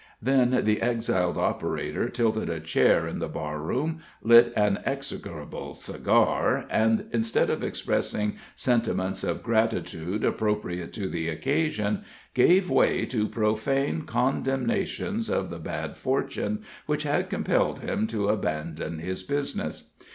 Then the exiled operator tilted a chair in the barroom, lit an execrable cigar, and, instead of expressing sentiments of gratitude appropriate to the occasion, gave way to profane condemnations of the bad fortune which had compelled him to abandon his business.